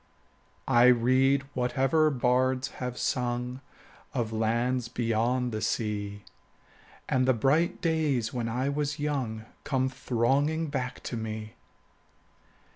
I read whatever bards have sung Of lands beyond the sea, 10 And the bright days when I was young Come thronging back to me.